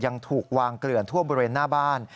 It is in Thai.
ยังถูกวางเกลื่อนทั่วบริเวณหน้าบ้าน